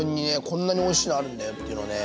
こんなにおいしいのあるんだよっていうのをね